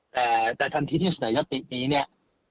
แต่ท่านทิศในยัตตินี้เนี่ย